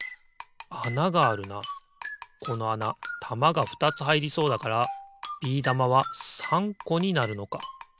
このあなたまがふたつはいりそうだからビー玉は３こになるのか。